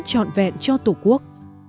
chọn vẹn cho tổ quốc